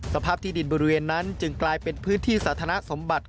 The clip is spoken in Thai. สภาพที่ดินบริเวณนั้นจึงกลายเป็นพื้นที่สาธารณสมบัติ